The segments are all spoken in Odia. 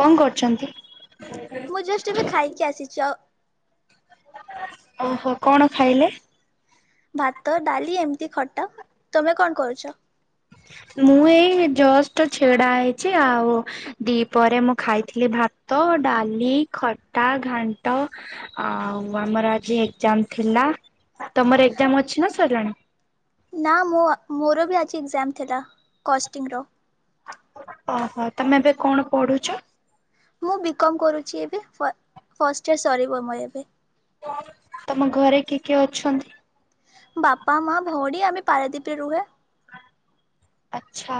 କଣ କରୁଛନ୍ତି? ମୁଁ ଜଷ୍ଟ ଏବ ଖାଇକି ଆସିଚ ଓ ହୋ କଣ ଖାଇଲେ? ଭାତ ଡାଲି ଏମିତି ଖଟା। ତମେ କଣ କରୁଛ? ମୁଁ ଏଇ ଜଷ୍ଟ ଛିଡା ହେଇଛି ଆଉ ଦି ପହରେ ମୁଁ ଖାଇଥିଲି ଭାତ ଡାଲି ଖଟା ଘାଣ୍ଟ ଆଉ ଆମର ଆଜି ଏକ୍ଜାମ ଥିଲା। ତମର ଏକ୍ଜାମ ଅଛି ନା ସରିଲାଣି? ନା ମୁଁ ମୋର ବି ଆଜି ଏକ୍ଜାମ ଥିଲା କଷ୍ଟିଂର। ଓ ହୋ ତମେ ଏବେ କଣ ପଢୁଛ। ମୁଁ ବି କମ୍ କରୁଛି ଏବେ ଫ ଫଷ୍ଟ ଇୟର ସରିବ ମୋର ଏବେ। ତମ ଘରେ କିଏ କିଏ ଅଛନ୍ତି? ବାପା ମା ଭଉଣୀ ଆମେ ପାରାଦ୍ୱୀପରେ ରୁହେ। ଆଛା।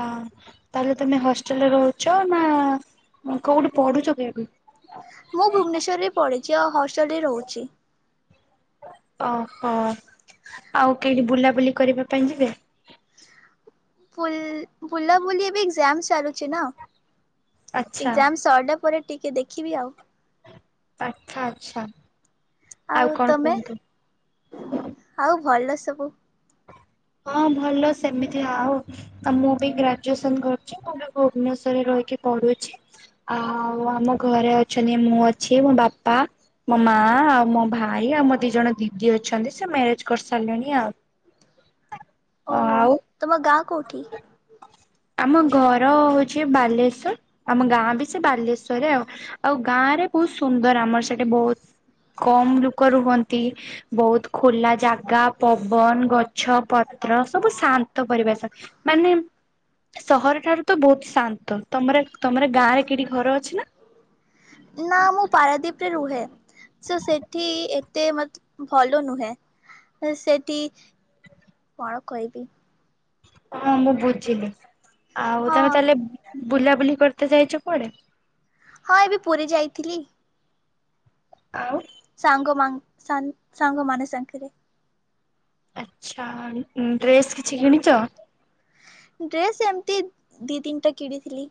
ତାହେଲେ ତମେ ହଷ୍ଟେଲ ରେ ରହୁଛ ନା କୋଉଠି ପଢୁଛ କି ଏବେ? ମୁଁ ଭୁବନେଶ୍ୱରରେ ପଡ଼ି଼ଛି ଆଉ ହଷ୍ଟେଲରେ ରହୁଛି। ଓ ହୋ ଆଉ କେଇଁଠି ବୁଲାବୁଲି କରିବା ପାଇଁ ଯିବେ? ଫୁଲ ବୁଲାବୁଲି ଏବେ ଏକ୍ଜାମ ଚାଲୁଛି ନା। ଆଚ୍ଛା ଏସ୍ଜାମ ସରିଲା ପରେ ଟିକେ ଦେଖିବି ଆଉ। ଆଚ୍ଛା ଆଛା। ଆଉ ତମେ ଆଉ ଭଲ ସବୁ। ହଁ ଭଲ ସେମିତି ଆଉ। ଆ ମୁଁ ବି ଗ୍ରାଜୁଏସନ କରୁଛି ମୁଁ ବି ଭୁବନେଶ୍ଵର ରେ ରହିକି ପଢୁଛି। ଆଉ ଆମ ଘରେ ଅଛନ୍ତି ମୁଁ ଅଛି ମୋ ବାପା ମୋ ମାଆ ଆଉ ମୋ ଭାଇ ଆଉ ମୋ ଦିଇ ଜଣ ଦିଦି ଅଛନ୍ତି ସେ ମ୍ୟାରେଜ କରିସାରିଲେଣି ଆଉ। ଓହୋ ଆଉ ତମ ଗାଁ କୋଉଠି? [inaudible] ଆମ ଘର ହୋଉଛି ବାଲେଶ୍ଵର ଆମ ଗାଁ ବି ସେ ବାଲେଶ୍ଵରରେ ଆଉ। ଆଉ ଗାଁ ରେ ବୋହୁତ ସୁନ୍ଦର ଆମର ସେଠି ବୋହୁତ କମ ଲୋକ ରୁହନ୍ତି ବୋହୁତ ଖୁଲା ଜାଗା ପବନ ଗଛ ପତ୍ର ସବୁ ଶାନ୍ତ ପରିବେଶ। ମାନେ ସହର ଠାରୁ ତ ବୋହୁତ ଶାନ୍ତ। ତମର ତମର ଗାଁ ରେ କେଠି ଘର ଅଛି ନା? ନା ମୁଁ ପାରାଦ୍ଵୀପ ରେ ରୁହେ। ସୋ ସେଠି ଏତେ ମତେ ଭଲ ନୁହେଁ ସେଠି କଣ କହିବି? ହଁ ମୁଁ ବୁଝିଲି ଆଉ ହଁ ତମେ ତାହେଲେ ବୁଲାବୁଲି କରିତେ ଯାଇଛ କୁଆଡେ? ହଁ ଏବେ ପୁରୀ ଯାଇଥିଲି। ଆଉ। ସାଙ୍ଗ ମା ସାଙ୍ଗ ମାନସଙ୍କରେ। ଆଚଛା ଡ୍ରେସ୍ କିଛି କିଣିଛ? ଡ୍ରେସ ଏମିତି ଦି ତିନିଟା କିଣିଥିଲି।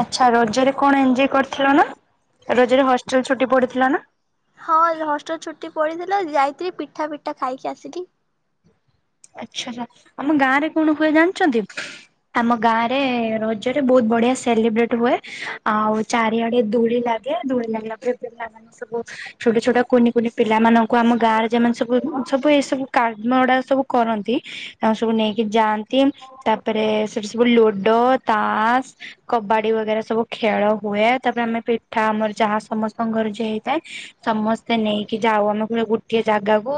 ଆଚ୍ଛା ରଜରେ କଣ ଏଞ୍ଜୟ୍ କରିଥିଲ ନା ରଜରେ ହଷ୍ଟେଲ ଛୁଟି ପଡିଥିଲା ନା? ହଁ ଲ ହଷ୍ଟେଲ ଛୁଟି ପଡିଥିଲା ଯାଇଥିଲି ପିଠା ପିଠା ଖାଇକି ଆସିଲି। ଆଚ୍ଛା ଆଛା ଆମ ଗାଁ ରେ କଣ ହୁଏ ଜାଣିଛନ୍ତି? ଆମ ଗାଁରେ ରଜରେ ବହୁତ ବଢିଆ ସେଲିବ୍ରେଟ ହୁଏ ଆଉ ଚାରିଆଡେ ଦୁଳି ଲାଗ ଆଜା ଦୋଳି ଲାଗିଲା ପରେ ପିଲା ମାନେ ସବୁ ଛୋଟ ଛୋଟ କୁନି କୁନି ପିଲା ମାନଙ୍କୁ ଆମ ଗାଁରେ ଯେମାନେ ସବୁ ସବୁ ଏ ସବୁ କାର୍ ଗୁଡା ସବୁ କରନ୍ତି। ଆମ ସବୁ ନେଇକି ଯାଆନ୍ତି ତାପରେ ସେଠି ସବୁ ଲୁଡୋ, ତାସ କବାଡି ବଗେରା ସବୁ ଖେଳ ହୁଏ ତାପରେ ଆମେ ପିଠା ଆମର ଯାହା ସମସ୍ତ ଘର ଯିଏ ହେଇଥାଏ। ସମସ୍ତେ ନେଇକି ଯାଉ ଆମେ କୋଟେ ଗୋଟିଏ ଜାଗାକୁ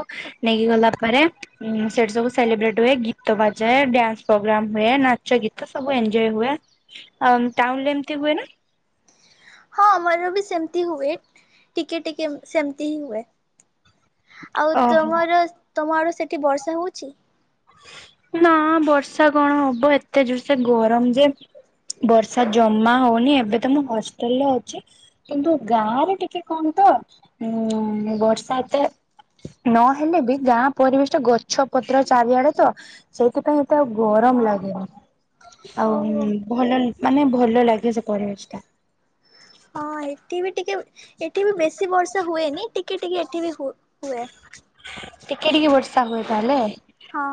ନେଇକି ଗଲା ପରେ ଉ ସେଠି ସବୁ ସେଲିବ୍ରେଟ ହୁଏ ଗୀତ ବାଜା ଡ୍ୟାନ୍ସ ପ୍ରୋଗ୍ରାମ ହୁଏ ନାଚ ଗୀତ ସବୁ ଏନଜୟ ହୁଏ। ଟାଉନ ରେ ଏମିତି ହୁଏ ନା? ହଁ ଆମର ବି ସେମତି ହୁଏ ଟିକେ ଟିକେ ସେମିତି ହିଁ ହୁଏ। ଆଉ ଓହୋ। ତମର ତମ ଆର ସେଠି ବର୍ଷା ହଉଛି? ନା ବର୍ଷା କଣ ହବ ଏତେ ଜୋର ସେ ଗରମ ଯେ ବର୍ଷା ଜମା ହଉନି ଏବେ ତମ ହଷ୍ଟେଲ ରେ ଅଛି କିନ୍ତୁ ଗାଁ ରେ ଟିକେ କଣ ତ ଉ ବର୍ଷା ତ ନହେଲେ ବି ଗାଁ ପରିବେଶ ଟ ଗଛ ପତ୍ର ଚାରିଆଡେ ତ ସେଇଥିପାଇଁ ଏତେ ଆଉ ଗରମ ଲାଗେନି ଓହୋ ଆଉଁ ଭଲଲ ମାନେ ଭଲ ଲାଗେ ସେ ପରିବେଶ ଟା। ହଁ ଏଠି ବି ଟିକେ ଏଠି ବି ବେଶୀ ବର୍ଷା ହୁଏନି ଟିକେ ଟିକେ ଏଠି ବି ହୁ ହୁଏ। ଟିକେ ଟିକେ ବର୍ଷା ହୁଏ ତାହେଲେ। ହଁ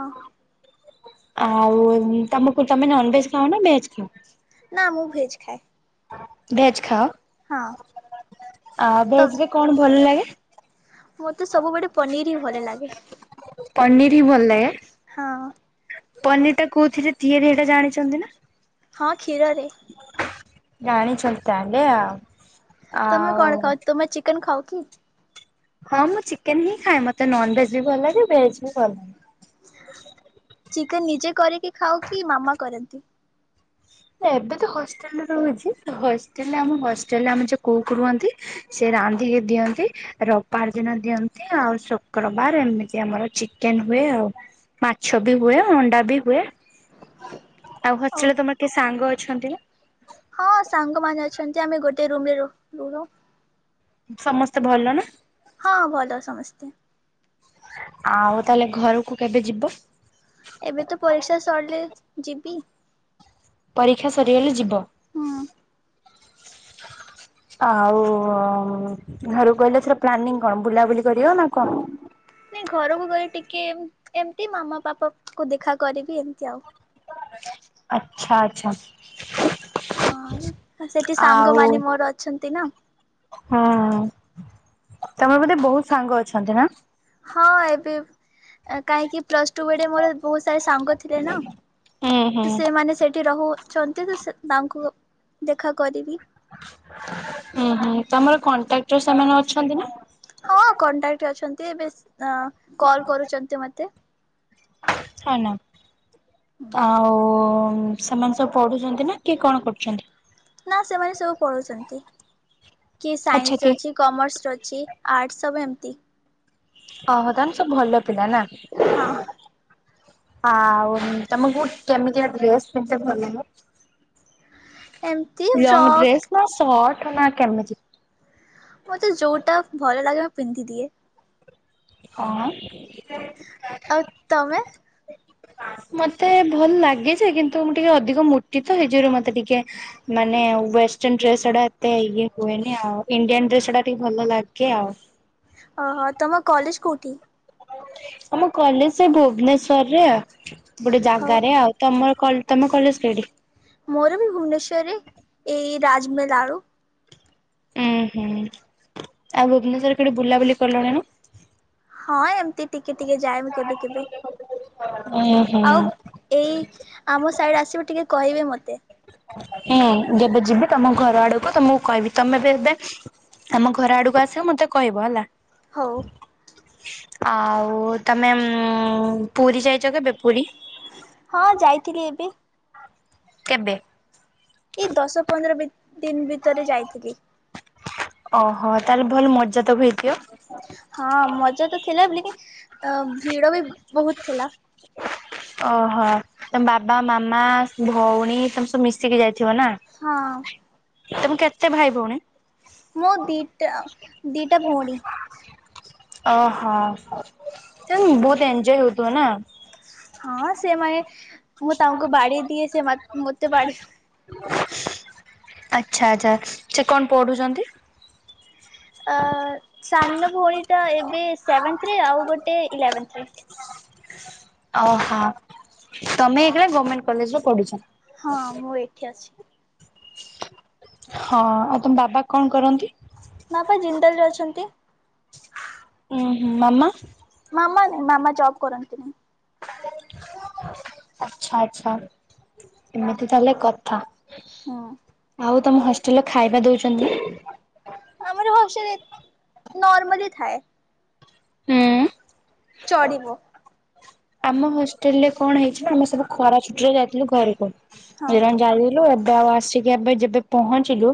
ଆଉ ତମକୁ ତମେ ନନ ଭେଜ ଖାଅ ନା ଭେଜ ଖାଅ। ନା ମୁଁ ଭେଜ ଖାଏ। ଭେଜ ଖାଅ ହଁ। ଆ ତ ଭେଜରେ କଣ ଭଲ ଲାଗେ? ମତେ ସବୁବେଳେ ପନିର ହି ଭଲ ଲାଗେ। ପନିର ହି ଭଲାଗେ। ହଁ। ପନିର ଟା କୋଉଥିରେ ତିଆରି ଏଇଟା ଜାଣିଛନ୍ତି ନା? ହଁ କ୍ଷୀରରେ। ଜାଣିଛନ୍ତି ତାହେଲେ ଆଉ। ତମେ ଆଉ କଣ ଖାଉ ତୁମେ ଚିକେନ ଖାଉ କି? ହଁ ମୁଁ ଚିକେନ ହିଁ ଖାଏ ମତେ ନନ ଭେଜ ବି ଭଲ ଲାଗେ ଭେଜ୍ ବି ଭଲ ଲାଗେ। ଚିକେନ ନିଜେ କରିକି ଖାଉ କି ମାମା କରନ୍ତି? ଏବେ ତ ହଷ୍ଟେଲରେ ରହୁଛି ତ ହଷ୍ଟେଲରେ ଆମ ହଷ୍ଟେଲରେ ଆମର ଯଉ କୋଉ ରୁହନ୍ତି ସେ ରାନ୍ଧିକି ଦିଅନ୍ତି। ରବବାର ଦିନ ଦିଅନ୍ତି ଆଉ ଶୁକ୍ରବାର ଏମିତି ଆମର ଚିକେନ ହୁଏ ଆଉ। ମାଛ ବି ହୁଏ ଅଣ୍ଡା ବି ହୁଏ। ଆଉ ହଷ୍ଟେଲରେ ତମର କିଏ ସାଙ୍ଗ ଅଛନ୍ତି ନା? ହଁ ସାଙ୍ଗମାନେ ଅଛନ୍ତି ଆମେ ଗୋଟିଏ ରୁମରେ ରହୁ ରୁ ରୋ ସମସ୍ତେ ଭଲ ନା? ହଁ ଭଲ ସମସ୍ତେ। ଆଁଉ ତାହାଲେ ଘରକୁ କେବେ ଯିବ? ଏବେ ତ ପରୀକ୍ଷା ସରିଲେ ଯିବି। ପରୀକ୍ଷା ସରିଗଲେ ଯିବ? ହଁ। ଆଉ ଉ ଉ ଉ ଘରୁକୁ ଗଲେ ଏଥର ପ୍ଲାନିଂ କଣ ବୁଲାବୁଲି କରିବ ନା କଣ? ନାଇଁ ଘରକୁ ଗଲେ ଟିକେ ଏମତି ମାମା ପାପା କୁ ଦେଖା କରିବି ଏମତି ଆଉ। ଆଚ୍ଛା ଆଚ୍ଛା। ହଁ ଆଉ ସେଠି ସାଙ୍ଗ ଆଉ ମାନେ ମୋର ଅଛନ୍ତି ନା। ହଁ ହଁ ତମର ବୋଧେ ବହୁତ ସାଙ୍ଗ ଅଛନ୍ତି ନା? ହଁ ଏବେ ବ କାହିଁକି? ପ୍ଲସ୍ ଟୁ ବେଡ଼େ ମୋର ବହୁତ ସାରା ସାଙ୍ଗ ଥିଲେ ନା ହୁଁ ହୁଁ ତ ସେମାନେ ସେଠି ରହୁ ଛନ୍ତି ତ ସେ ତାଙ୍କୁ ଦେଖା କରିବି। ହୁଁ ହୁଁ ତମର କଣ୍ଟ୍ରାକ୍ଟର ସେମାନେ ଅଛନ୍ତି ନା? ହଁ କଣ୍ଟାକ୍ଟରେ ଅଛନ୍ତି ଏବେ ଆଁ କଲ୍ କରୁଚନ୍ତି ମତେ। ହଁ ନାମ୍ ଆଉ ଉ ଉ ଉ ସେମାନେ ସବୁ ପଢୁଚନ୍ତି ନା କିଏ କଣ କରୁଚନ୍ତି? ନା ସେମାନେ ସବୁ ପଢୁଚନ୍ତି କିଏ ଆଚ୍ଛା ସାଇନ୍ସରେ କିଏ ଅଛି କମର୍ସ ରେ ଅଛି ଆର୍ଟସ୍ ସବୁ ଏମତି। ଅହ ତା ମାନେ ସବୁ ଭଲ ପିଲା ନା? ହଁ। ଆଉ ଉଁ ତମକୁ କେମିତିଆ ଡ୍ରେସ ପିନ୍ଧିତେ ଭଲ ଲାଗେ? ଏମ୍ ଲଙ୍ଗ ଡ୍ରେସ୍ ନା ସର୍ଟ ନା କେମିତି? ମତେ ଯୋଉଟା ଭଲ ଲାଗିବ ପିନ୍ଧିଦିଏ। କଣ? ଆଉ ତମେ? ମତେ ଭଲ ଲାଗେ ଯେ କିନ୍ତୁ ମୁଁ ଟିକେ ଅଧିକ ମୋଟି ତ ହେଇଜୁଗୁରୁ ମତେ ଟିକେ ମାନେ ୱେଷ୍ଟର୍ଣ ଡ୍ରେସ ଟା ଏତେ ଇଏ ହୁଏନି ଆଉ ଇଣ୍ଡିଆନ ଡ୍ରେସ ଟା ଟିକେ ଭଲ ଲାଗେ ଆଉ। ଅହ ତମ କଲେଜ କୋଉଠି? ଆମ କଲେଜ ସେ ଭୁବନେଶ୍ୱରରେ ଆ ଗୋଟେ ହଉ ଜାଗାରେ ଆଉ। ତମର କଲ ତମ କଲେଜ ରେଡ଼ି। ମୋରବୀ ଭୁବନେଶ୍ୱରରେ ଏଇ ରାଜମେଲ ଆଳୁ ଉୁଁ ହୁଁ ଆଉ ଭୁବନେଶ୍ୱରରେ କେଡ଼େ ବୁଲାବୁଲି କଲଣିଣ? ହଁ ଏମତି ଟିକେ ଟିକେ ଯାଏ ମୁଁ କେବେ କେବେ। ଓହୋ। ଆଉ ଏଇ ଆମ ସାଇଡ଼ ଆସିବ ଟିକେ କହିବେ ମତେ। ହୁଁ ଯେବେ ଯିବି ତମ ଘର ଆଡ଼କୁ ତମକୁ କହିବି। ତମେ ବି ଏବେ ଆମ ଘର ଆଡ଼କୁ ଆସିବ ମତେ କହିବ ହେଲା। ହଉ। ଆଉ ତମେ ଉଁ ପୁରୀ ଯାଇଚ କେବେ ପୁରୀ? ହଁ ଯାଇଥିଲି ଏବେ- କେବେ? ଏଇ ଦଶ ପନ୍ଦର ବି ଦିନ ଭିତରେ ଯାଇଥିଲି ଅ ହୋ ତାହେଲେ ଭଲ ମଜା ତକୁ ହେଇଥିବ ହଁ ମଜା ତ ଥିଲା ବିଲ୍କି ଭିଡ ବି ବହୁତ ଥିଲା - ଅ ହ ତମ ବାବା ମାମା ସ ଭଉଣୀ ତମେ ସବୁ ମିଶିକି ଯାଇଥିବ ନା ହଁ ତମେ କେତେ ଭାଇ ଭଉଣୀ? ମୁଁ ଦିଟା, ଦିଟା ଭଓଣୀ ଅ ହ ଦେନ୍ ବହୁତ ଏଞଜୟ ହଉଥିବ ନା ହଁ ସେମାନେ ମୁଁ ତାଙ୍କୁ ବାଡି ଦିଏ ସେ ମତେ ବାଡ଼ି ଆଚ୍ଛା ଆଛା ସେ କଣ ପଢୁଛନ୍ତି? ଅ ସାନ ଭଉଣୀଟା ଏବେ ସେଭେନ୍ଥରେ ଆଉ ଗୋଟେ ଇଲେଭେନ୍ଥରେ ଅ ହୋ ତମେ ଏଇଗା ଗଭର୍ଣମେଣ୍ଟ କଲେଜରେ ପଢୁଛ ହଁ ମୁଁ ଏଇଠି ଅଛି ହଁ ଆଉ ତମ ବାବା କଣ କରନ୍ତି? ବାବା ଜିନ୍ଦଲରେ ଅଛନ୍ତି ହୁଁ ହୁଁ ମାମା? ମାମା ନାଇଁ ମାମା ଯବ୍ କରନ୍ତିନି ଆଛା ଆଚ୍ଛା ଏମିତି ତାହେଲେ କଥା ହୁଁ ଆଉ ତମ ହଷ୍ଟେଲର ଖାଇବା ଦଉଚନ୍ତି ଆମର ହସଲ ନର୍ମାଲି ଥାଏ ହୁଁ। ଚ଼ଡିବ। ଆମ ହଷ୍ଟେଲରେ କଣ ହେଇଚି ନା ଆମେ ସବୁ ଖରା ଛୁଟିରେ ଯାଇଥିଲୁ ଘରକୁ, ହଁ ହେରା ନ ଯାଇଥିଲୁ ଅବ୍ - ତ ଆଉ ଆସିକି ଆବେ ଯେବେ ପହଞ୍ଚିଲୁ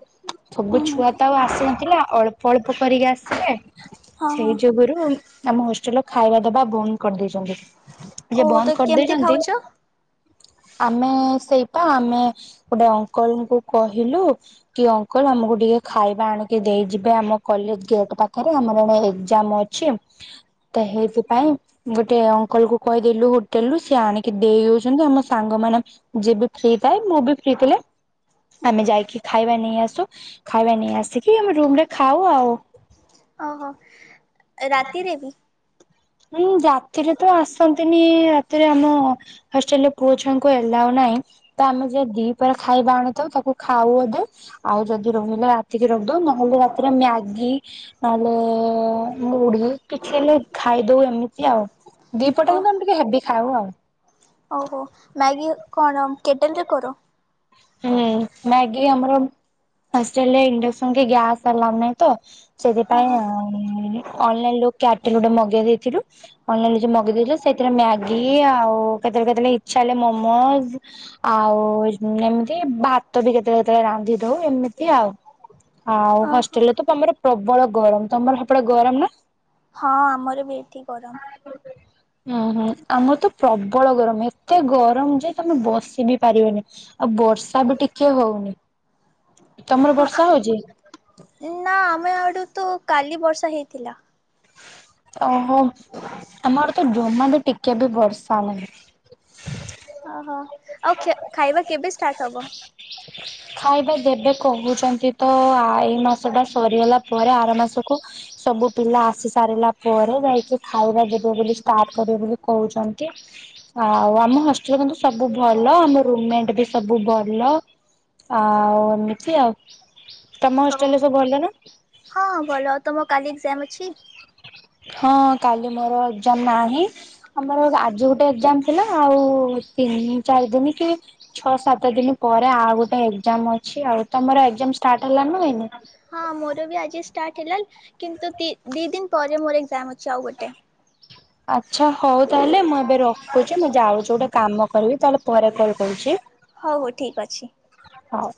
ହୁଁ ସବୁ ହୁଁ ଛୁଆ ତ ଆଉ ଆସିନଥିଲେ ଅଳ୍ପ ଅଳ୍ପ କରିକି ଆସିଲେ ହଁ ହଁ ସେଇ ଯୋଗୁରୁ ଆମ ହୋଷ୍ଟେଲର ଖାଇବା ଦବା ବନ୍ଦ କରି ଦେଇଚନ୍ତି। ଇଏ ଓହୋ ତ ବନ୍ଦ କରି କେମିତି ଦେଇଚନ୍ତି ଖାଉଛ? ଆମେ ସେଇପା ଆମେ ଗୋଟେ ଅଙ୍କଲଙ୍କୁ କହିଲୁ କି ଅଙ୍କଲ ଆମକୁ ଟିକେ ଖାଇବା ଆଣିକି ଦେଇଯିବେ ଆମ କଲେଜ ଗେଟ୍ ପାଖରେ ଆମର ଏଣେ ଏକ୍ଜାମ ଅଛି। ତ ହେଇଥି ପାଇଁ ଗୋଟେ ଅଙ୍କଲକୁ କହିଦେଲୁ ହୋଟେଲରୁ ସିଏ ଆଣିକି ଦେଇ ଦୋଉଛନ୍ତି ଆମ ସାଙ୍ଗମାନେ ଯିଏବି ଫ୍ରି ଥାଏ ମୁଁ ବି ଫ୍ରି ଥିଲେ ଆମେ ଯାଇକି ଖାଇବା ନେଇ ଆସୁ। ଖାଇବା ନେଇ ଆସିକି ଆମେ ରୁମରେ ଖାଉ ଆଉ। ଅ ହୋ ରାତିରେ ବି? ହୁଁ ରାତିରେ ତ ଆସନ୍ତିନି। ରାତିରେ ଆମ ହଷ୍ଟେଲରେ ପୁଅ ଛୁଆଙ୍କୁ ଏଲାଓ ନାଇଁ - ତ ଆମେ ଯେ ଦିପା ଖାଇବା ଆଣିଥାଉ ତାକୁ ଖାଉଅଧେ ଆଉ ଯଦି ରହିଲା ରାତିକି ରଖିଦଉ ନହେଲେ ରାତିରେ ମ୍ୟାଗି ନହଲେ ମୁଢ଼ି କିଛିନ ଖାଇଦଉ ଏମିତି ଆଉ, ଦିପଟ କିନ୍ତୁ ଆମେ ଟିକେ ହେବି ଖାଉ ଆଉ। ଅହୋ ମ୍ୟାଗି କଣ କେଟେଲରେ କର? ହୁଁ ମ୍ୟାଗି ଆମର ହଷ୍ଟେଲ ରେ ଇଣ୍ଡକ୍ସନ କି ଗ୍ୟାସ ଆଲାଅ ନାଇଁ ତ ସେଥିପାଇଁ ଓହୋ ଅନଲାଇନରୁ କ୍ୟାଟେଲ୍ ଗୋଟେ ମଗେଇ ଦେଇଥିଲୁ। ଅନଲାଇନିରେ ଯୋଉ ମଗେଇଦେଇଥୀଲୁ ସେଥିରେ ମ୍ୟାଗି ଆଉ କେତେବେଳେ କେତେବେଳେ ଇଛା ହେଲେ ମୋମୋଜ ଆଉ ଏମିତି ଭାତ ବି କେତେବେଳେ କେତେବେଳେ ରାନ୍ଧି ଦୋଉ ଏମିତି ଆଉ। ଆଉ ଓହୋ ହଷ୍ଟେଲରେ ତ ତମର ପ୍ରବଳ ଗରମ। ତମର ସେପଟେ ଗରମ ନା? ହଁ ଆମର ବି ଏଠି ଗରମ। [inaudible] ଓହୋ ଆମର ତ ପ୍ରବଳ ଗରମ ଏତେ ଗରମ ଯେ ତମେ ବସି ବି ପାରିବନି। ଆଉ ବର୍ଷା ବି ଟିକେ ହୋଉନି। ତମର ହଁ ବର୍ଷା ହୋଉଛି? ନା ଆମ ଆଡ଼ୁ ତ କାଲି ବର୍ଷା ହେଇଥିଲା। ଓହୋ ଆମ ଆଡେ ତ ଜମା ବି ଟିକେ ବି ବର୍ଷା ନାଇଁ। ଓହୋ ଆଉ ଖେ ଖାଇବା କେବେ ଷ୍ଟାର୍ଟ ହବ? ଖାଇବା ଦେବେ କହୁଛନ୍ତି ତ ଏଇ ମାସ ଟା ସରିଗଲା ପରେ ଆର ମାସକୁ। ସବୁ ପିଲା ଆସି ସାରିଲା ପରେ ଯାଇକି ଖାଇବା ଦେବେ ବୋଲି ଷ୍ଟାର୍ଟ କରିବେ ବୋଲି କହୁଛନ୍ତି। ଆଉ ଆମ ହଷ୍ଟେଲରେ କିନ୍ତୁ ସବୁ ଭଲ ଆମ ରୁମ୍ ମେଣ୍ଟ ବି ସବୁ ଭଲ। ଆଉ ଏମିତି ଆଉ। ତମ ହବ? ହୋଷ୍ଟେଲରେ ସବୁ ଭଲ ନା? ହଁ ଭଲ। ତମ କାଲି ଏକ୍ଜାମ ଅଛି? ହଁ କାଲି ମୋର ଏକ୍ଜାମ ନାହିଁ। ଆମର ଆଜି ଗୋଟେ ଏକ୍ଜାମ ଥିଲା ଆଉ ତିନି ଚାରି ଦିନ କି ଛଅ ସାତ ଦିନ ପରେ ଆଉ ଗୋଟେ ଏକ୍ଜାମ ଅଛି। ଆଉ ତମର ଏକ୍ଜାମ ଷ୍ଟାର୍ଟ ହେଲାଣି ନା ହେଇନି? ହଁ ମୋର ବି ଆଜି ଷ୍ଟାର୍ଟ ହେଲା କିନ୍ତୁ ଦି ଦି ଦିନ ପରେ ମୋର ଏକ୍ଜାମ ଅଛି ଆଉ ଗୋଟେ। ଆଚ୍ଛା ହୋଉ ତାହେଲେ ମୁଁ ଏବେ ରଖୁଛି। ମୁଁ ଯାଉଛି ଗୋଟେ କାମ କରିବି ତାହେଲେ ପରେ କଲ୍ କରୁଛି। ହୋଉ ହୋଉ ଠିକ୍ ଅଛି। ହୋଉ।